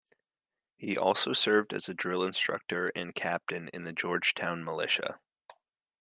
He also served as a drill instructor and captain in the Georgetown militia.